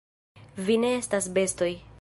Vi ne estas bestoj!